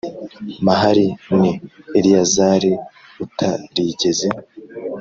Mahali ni Eleyazari utarigeze